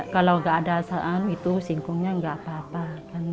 kalau nggak ada pekerjaan ini ya saya susah cari uang kan